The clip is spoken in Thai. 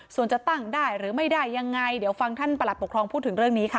ส่วนจะตั้งได้หรือไม่ได้ยังไงเดี๋ยวฟังท่านประหลัดปกครองพูดถึงเรื่องนี้ค่ะ